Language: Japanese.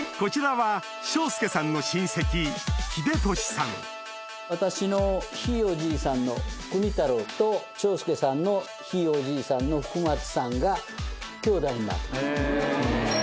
こちらは私のひいおじいさんの国太郎と章介さんのひいおじいさんの松さんが兄弟になってます。